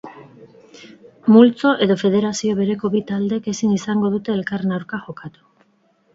Multzo edo federazio bereko bi taldek ezin izango dute elkarren aurka jokatu.